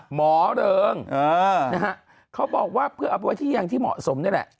เริงนะฮะเขาบอกว่าเพื่อเอาไปไว้ที่อย่างที่เหมาะสมนี่แหละ